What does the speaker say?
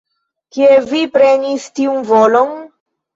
Kie vi prenis tiun volon?